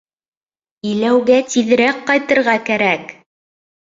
Иләүгә тиҙерәк ҡайтырға кәрәк!